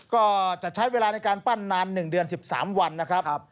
ก็จะใช้เวลาในการปั้นนาน๑เดือน๑๓วันนะครับ